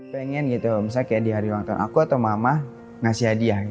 pengen gitu misalnya kayak di hari ulang tahun aku atau mama ngasih hadiah